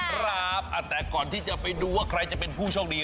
ครับแต่ก่อนที่จะไปดูว่าใครจะเป็นผู้โชคดี